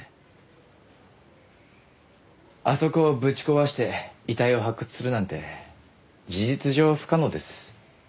あそこをぶち壊して遺体を発掘するなんて事実上不可能です。